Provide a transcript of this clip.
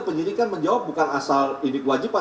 penyidik kan menjawab bukan asal ini kewajiban